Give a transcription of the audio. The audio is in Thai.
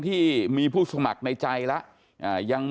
มีใครอยู่ในใจยังคะ